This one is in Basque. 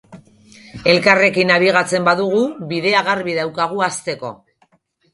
Elkarrekin nabigatzen badugu bidea garbi daukagu hazteko.